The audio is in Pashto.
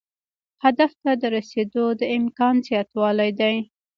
هدف ته د رسیدو د امکان زیاتوالی دی.